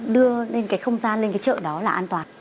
đưa lên cái không gian lên cái chợ đó là an toàn